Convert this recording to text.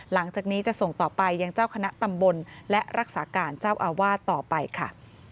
หลังจากนี้จะส่งต่อไปยังเจ้าคณะตำบลและรักษาการเจ้าอาวาสต่อไปค่ะ